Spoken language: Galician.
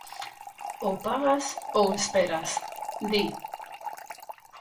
Ou pagas, ou esperas, di.